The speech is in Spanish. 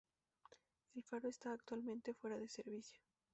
El faro está actualmente fuera de servicio.